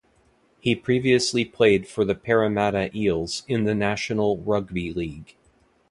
He previously played for the Parramatta Eels in the National Rugby League.